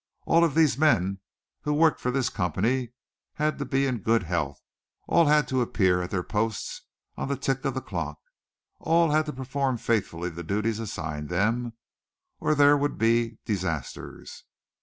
All of these men who worked for this company had to be in good health, all had to appear at their posts on the tick of the clock, all had to perform faithfully the duties assigned them, or there would be disasters.